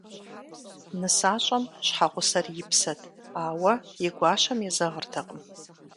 НысащӀэм щхьэгъусэр и псэт, ауэ и гуащэм езэгъыртэкъым.